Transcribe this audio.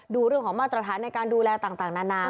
ดูเรื่องของมาตรฐานในการดูแลต่างนานา